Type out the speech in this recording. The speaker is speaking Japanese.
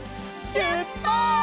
しゅっぱつ！